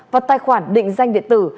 và tài khoản định danh địa tử